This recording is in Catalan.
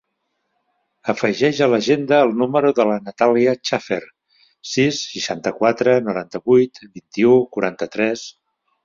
Afegeix a l'agenda el número de la Natàlia Chafer: sis, seixanta-quatre, noranta-vuit, vint-i-u, quaranta-tres.